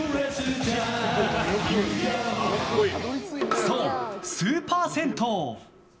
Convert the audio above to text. そう、スーパー銭湯。